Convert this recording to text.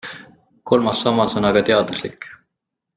Kolmas sammas on aga teaduslik.